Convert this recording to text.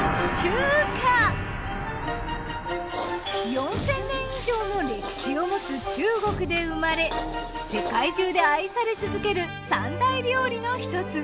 ４０００年以上の歴史を持つ中国で生まれ世界中で愛され続ける三大料理のひとつ。